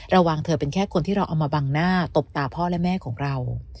เธอวางเธอเป็นแค่คนที่เราเอามาบังหน้าตบตาพ่อและแม่ของเรา